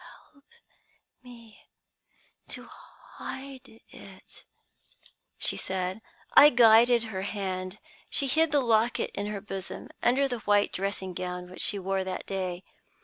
"'Help me to hide it,' she said. "I guided her hand. She hid the locket in her bosom, under the white dressing gown which she wore that day.